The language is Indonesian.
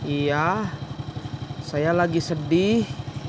iya saya lagi sedih